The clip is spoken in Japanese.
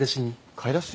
買い出し？